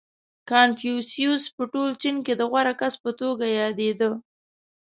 • کنفوسیوس په ټول چین کې د غوره کس په توګه یادېده.